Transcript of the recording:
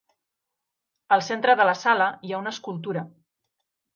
Al centre de la sala hi ha una escultura.